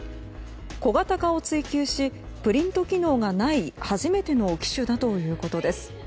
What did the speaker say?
小型化を追求しプリント機能がない初めての機種だということです。